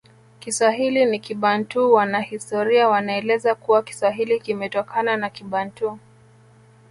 Kiswahili ni Kibantu Wanahistoria wanaeleza kuwa Kiswahili kimetokana na Kibantu